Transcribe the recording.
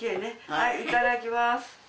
はいいただきます